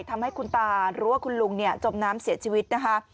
ทำให้ตารู้ว่าคุณลุงนี่จมน้ำเสียชีวิตนะคะ